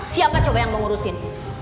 siapkah coba yang mengurusin